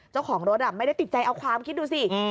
เจ้าของรถไม่ได้ติดใจเอาความคิดดูสิ